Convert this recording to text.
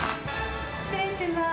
失礼します。